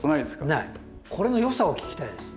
これのよさを聞きたいです。